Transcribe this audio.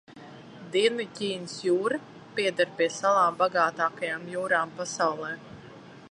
Dienvidķīnas jūra pieder pie salām bagātākajām jūrām pasaulē.